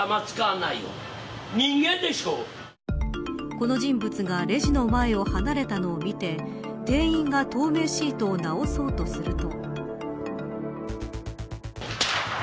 この人物がレジの前を離れたのを見て店員が透明シートを直そうとすると。